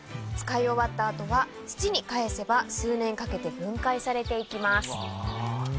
使い終わった後は土に返せば数年かけて分解されていきます。